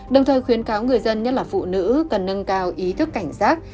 đồng thời khuyến cáo người dân nhất là phụ nữ cần nâng cao ý thức cảnh giác